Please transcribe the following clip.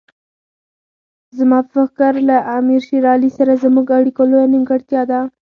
زما په فکر له امیر شېر علي سره زموږ اړیکو لویه نیمګړتیا ده.